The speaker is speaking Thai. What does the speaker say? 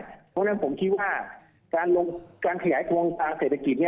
เพราะฉะนั้นผมคิดว่าการลงการขยายส่วนตาเศรษฐกิจเนี่ย